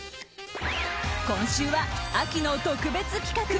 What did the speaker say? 今週は秋の特別企画。